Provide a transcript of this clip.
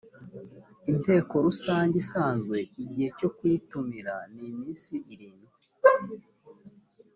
inteko rusange isanzwe igihe cyo kuyitumira ni iminsi irindwi